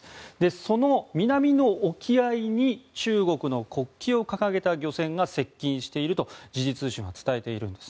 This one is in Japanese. その南の沖合に中国の国旗を掲げた漁船が接近していると時事通信は伝えています。